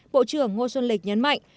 bộ trưởng ngô xuân lịch nhấn mạnh